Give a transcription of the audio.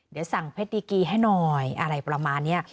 เดี๋ยวสั่งเพชรดีกีให้หน่อยอะไรประมาณนี้